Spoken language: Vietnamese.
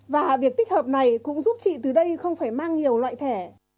và việc tích hợp này cũng giúp chị từ đây không phải mang nhiều loại thẻ